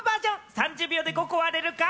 ３０秒で５個割れるか？